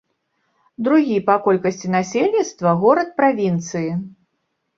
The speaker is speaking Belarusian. Другі па колькасці насельніцтва горад правінцыі.